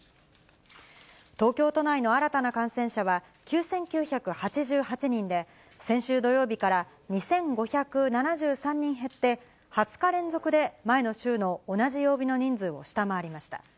東京都内の新たな感染者は９９８８人で、先週土曜日から２５７３人減って、２０日連続で前の週の同じ曜日の人数を下回りました。